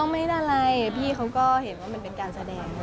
ไม่ได้อะไรพี่เขาก็เห็นว่ามันเป็นการแสดง